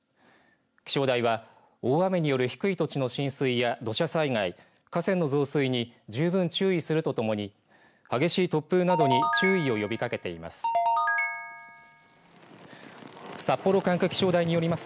気象台は大雨による低い土地の浸水や土砂災害、河川の増水に十分注意するとともに激しい突風などに注意を呼びかけています。